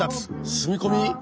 住み込み？